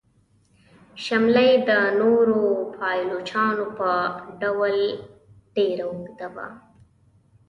شمله یې د نورو پایلوچانو په ډول ډیره اوږده وه.